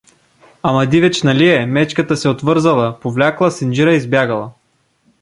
Ама дивеч нали е, мечката се отвързала, повлякла синджира и избягала.